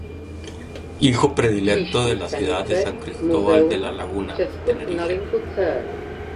Hijo predilecto de la Ciudad de San Cristobal de La laguna, Tenerife.